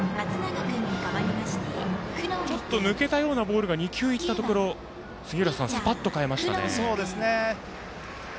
ちょっと抜けたようなボールが２球、いったところ杉浦さん、スパッと代えましたね。